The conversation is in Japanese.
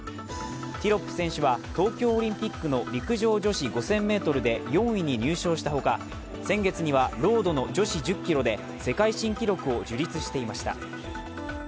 ティロップ選手は東京オリンピックの陸上女子５０００ｍで４位に入賞したほか先月にはロードの女子１０ｋｍで世界新記録を樹立していました。